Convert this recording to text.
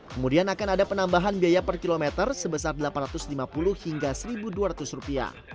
kemudian akan ada penambahan biaya per kilometer sebesar rp delapan ratus lima puluh hingga rp satu dua ratus